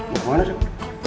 mau kemana ustadz